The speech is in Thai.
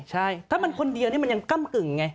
ใช่ถ้ามันคนเดียวนี่มันยังก้ำกึ่งไง